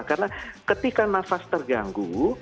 karena ketika nafas terganggu